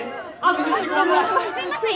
すいません